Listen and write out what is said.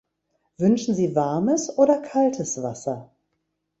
Wünschen Sie warmes oder kaltes Wasser?